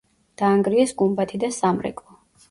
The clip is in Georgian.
დაანგრიეს გუმბათი და სამრეკლო.